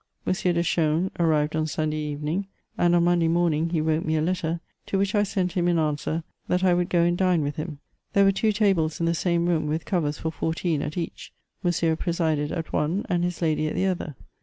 M. de Chaulnes arrived on Sunday evening, and on Monday morning he wrote me a letter, to which I sent him in answer, that I would go and dine with him. There were two tables in the same room, with covers for fourteen at each ; Monsieur presided at one, and his lady at the other.